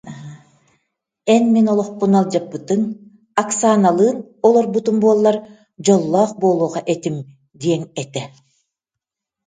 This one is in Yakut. Эн мин олохпун алдьаппытыҥ, Оксаналыын олорбутум буоллар дьоллоох буолуох этим диэҥ этэ